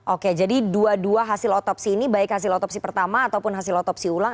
oke jadi dua dua hasil otopsi ini baik hasil otopsi pertama ataupun hasil otopsi ulang